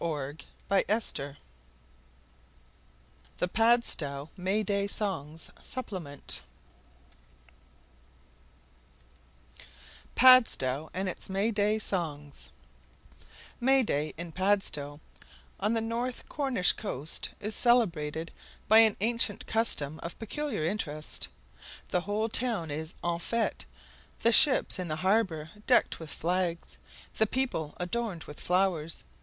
[Illustration: The Hooting Carn] PADSTOW AND ITS MAY DAY SONGS May Day in Padstow, on the north Cornish coast, is celebrated by an ancient custom of peculiar interest. The whole town is en fete, the ships in the harbour decked with flags, the people adorned with flowers.